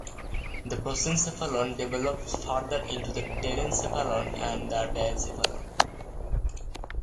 The prosencephalon develops further into the telencephalon and the diencephalon.